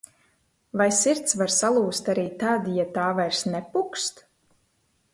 Vai sirds var salūzt arī tad, ja tā vairs nepukst?